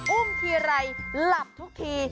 อุ้มทีไรหลับทุกที